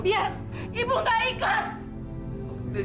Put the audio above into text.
biar ibu gak ikhlas